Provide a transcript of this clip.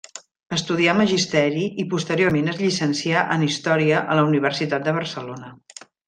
Estudià magisteri i posteriorment es llicencià en Història a la Universitat de Barcelona.